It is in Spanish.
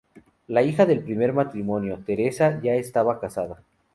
La hija del primer matrimonio, Teresa, ya estaba casada.